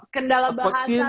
kedala bahasa juga ya bungut